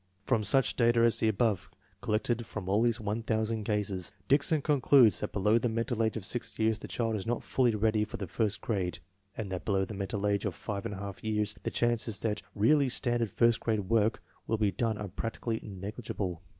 From such data as the above, collected from all his 1000 cases, Dickson concludes that below the mental age of 6 years the child is not fully ready for the first grade, and that below the mental age of 5 J years the chances that really standard first grade work will be done are practically negligible.